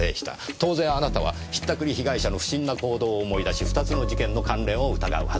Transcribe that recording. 当然あなたは引ったくり被害者の不審な行動を思い出し２つの事件の関連を疑うはずです。